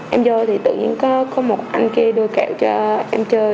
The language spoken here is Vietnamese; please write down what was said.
em vô thì tự nhiên có một anh kia đưa kẹo cho em chơi